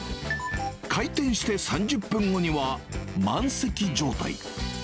開店して３０分後には、満席状態。